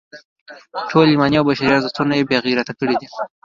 ټول ایماني او بشري ارزښتونه یې بې غیرته کړي دي.